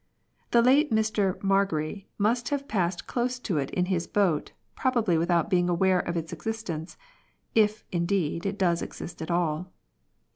The late Mr Margary must have passed close to it in his boaf, probably without being aware of its existence — if indeed it does exist at all.